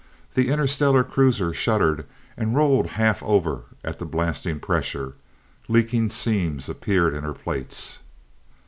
The interstellar cruiser shuddered, and rolled half over at the blasting pressure. Leaking seams appeared in her plates.